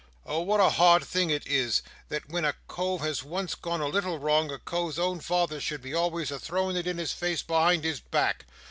"Oh, what a hard thing it is that when a cove has once gone a little wrong, a cove's own father should be always a throwing it in his face behind his back!